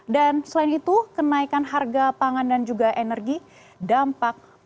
dan selain itu kenaikan harga pangan dan juga energi dampak perusahaan